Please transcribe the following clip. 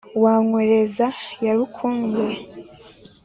wa nkoreza ya rukuge,